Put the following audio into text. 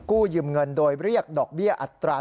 กู้ยืมเงินโดยเรียกดอกเบี้ยอัตรา